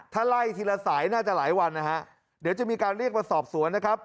ถ้าไล่ทีละสายน่าจะหลายวันนะฮะเดี๋ยวจะมีการเรียกมาสอบสวนนะครับ